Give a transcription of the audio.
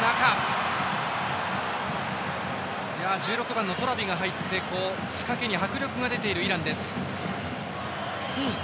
１６番のトラビが入って仕掛けに迫力が出ているイランです。